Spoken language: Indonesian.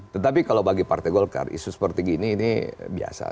tetapi kalau bagi partai golkar isu seperti gini ini biasa